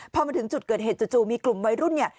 พอมาถึงจุดเกิดเหตุจู่มีกลุ่มวัยรุ่นเนี่ย